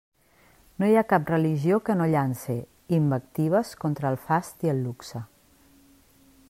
No hi ha cap religió que no llance invectives contra el fast i el luxe.